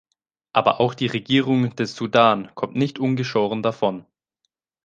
Aber auch die Regierung des Sudan kommt nicht ungeschoren davon.